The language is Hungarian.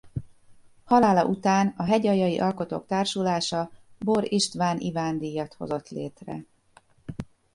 Halála után a Hegyaljai Alkotók Társulása Bor István Iván-díjat hozott létre.